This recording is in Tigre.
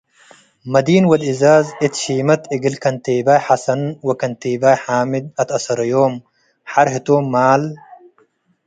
መዲን ወድ እዛዝ እት ሺመት እግል ከንቴባይ ሐሰን ወከንቴባይ ሓምድ አትአሰረዮም፣ ሐር ህቶም ማል